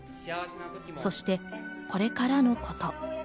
そしてこれからのこと。